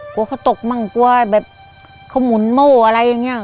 กลัวเขาตกมั่งกลัวแบบเขาหมุนโม่อะไรอย่างนี้